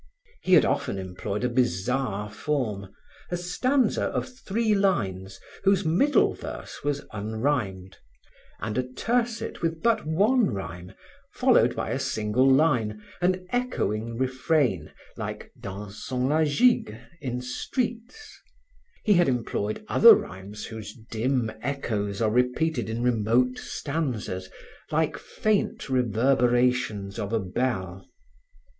He had often employed a bizarre form a stanza of three lines whose middle verse was unrhymed, and a tiercet with but one rhyme, followed by a single line, an echoing refrain like "Dansons la Gigue" in Streets. He had employed other rhymes whose dim echoes are repeated in remote stanzas, like faint reverberations of a bell.